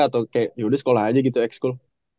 atau kayak yaudah sekolah aja gitu ex school